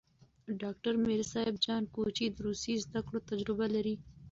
ډاکټر میر صاب جان کوچي د روسي زدکړو تجربه لري.